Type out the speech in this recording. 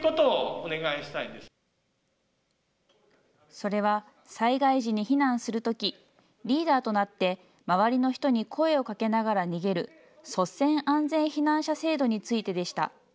それは、災害時に避難するとき、リーダーとなって、周りの人に声をかけながら逃げる、率先安全避難者制度についてでした。